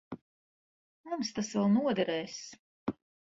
Mums tas vēl noderēs.